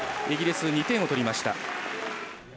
イギリス、２点を取りました。